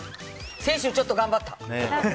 先週、ちょっと頑張った。